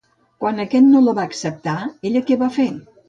Quan aquest no la va acceptar, ella què va fer?